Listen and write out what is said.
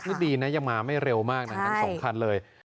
คุณผู้ชมดีนะยังมาไม่เร็วมากนั้นสำคัญเลย